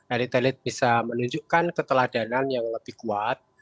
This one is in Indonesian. elit elit bisa menunjukkan keteladanan yang lebih kuat